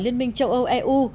liên minh châu âu eu